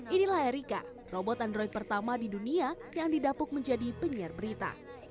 inilah erika robot android pertama di dunia yang didapuk menjadi penyiar berita